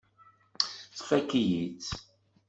Tfakk-iyi-tt.